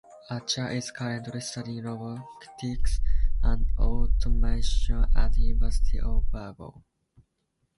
Acha is currently studying robotics and automation at the University of Burgos.